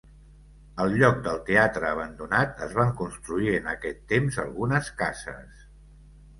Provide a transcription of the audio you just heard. Al lloc del teatre abandonat es van construir en aquest temps algunes cases.